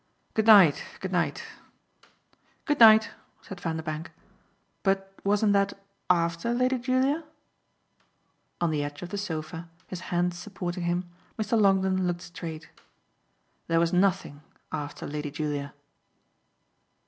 "Good night, good night." "Good night," said Vanderbank. "But wasn't that AFTER Lady Julia?" On the edge of the sofa, his hands supporting him, Mr. Longdon looked straight. "There was nothing after Lady Julia."